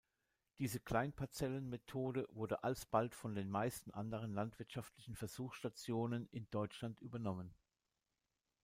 Diese „Klein-Parzellen-Methode“ wurde alsbald von den meisten anderen landwirtschaftlichen Versuchsstationen in Deutschland übernommen.